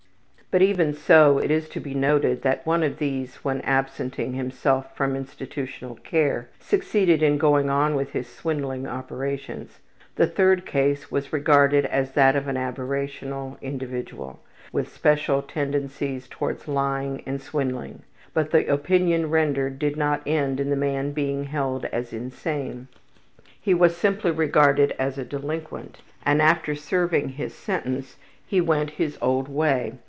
But even so, it is to be noted that one of these when absenting himself from institutional care succeeded in going on with his swindling operations. The third case was regarded as that of an aberrational individual with special tendency towards lying and swindling, but the opinion rendered did not end in the man being held as insane. He was simply regarded as a delinquent, and after serving his sentence he went his old way.